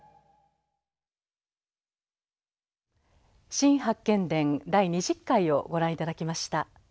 「新八犬伝第２０回」をご覧頂きました。